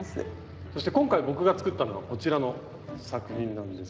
そして今回僕が作ったのがこちらの作品なんですが。